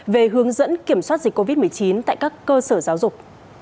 về hướng dẫn kiểm soát dịch covid một mươi chín tại các cơ sở giáo dục